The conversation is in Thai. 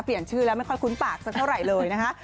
เปลี่ยนชื่อแล้วไม่ค่อยคุ้นปากสักเท่าไหร่เลยนะคะ